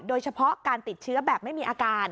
โดยเฉพาะการติดเชื้อแบบไม่มีอาการ